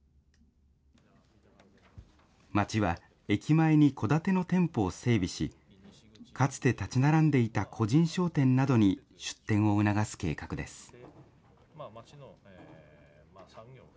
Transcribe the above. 町は、駅前に戸建ての店舗を整備し、かつて建ち並んでいた個人商店などに出店を促す計画です。